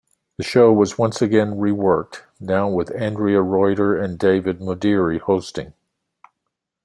The show was once again reworked, now with Andrea Reuter and Navid Modiri hosting.